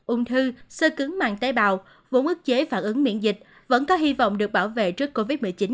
ung thư sơ cứng màng tế bào vùng ức chế phản ứng miễn dịch vẫn có hy vọng được bảo vệ trước covid một mươi chín